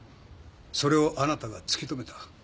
それをあなたが突き止めた。